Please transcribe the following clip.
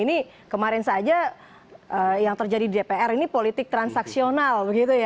ini kemarin saja yang terjadi di dpr ini politik transaksional